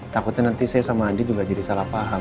takutnya nanti saya sama andi juga jadi salah paham